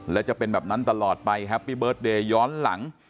และจะเป็นแบบนั้นตลอดไปแฮปปี้เบิร์ตเดย์ย้อนหลัง